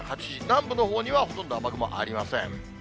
南部のほうにはほとんど雨雲ありません。